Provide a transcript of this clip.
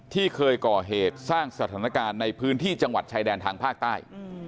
ที่เคยก่อเหตุสร้างสถานการณ์ในพื้นที่จังหวัดชายแดนทางภาคใต้